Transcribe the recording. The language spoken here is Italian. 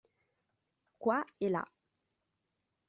Qua e là.